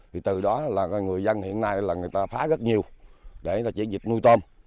thì từ đó là người dân hiện nay là người ta phá rất nhiều để người ta chỉ dịch nuôi tôm